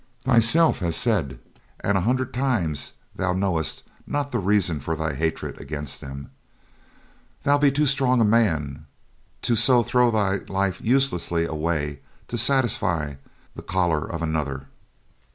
Thyself hast said an hundred times that thou knowst not the reason for thy hatred against them. Thou be too strong a man to so throw thy life uselessly away to satisfy the choler of another.